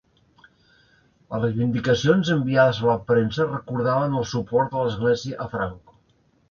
Les reivindicacions enviades a la premsa recordaven el suport de l'Església a Franco.